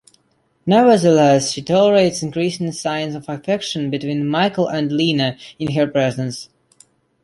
Nevertheless, she tolerates increasing signs of affection between Michael and Lina in her presence.